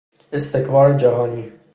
استکبار جهانی